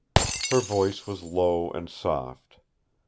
Her voice was low and soft.